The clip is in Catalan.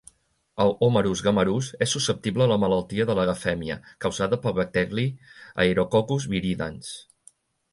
El "Homarus gammarus" és susceptible a la malaltia de la gafèmia causada pel bacteri "Aerococcus viridans".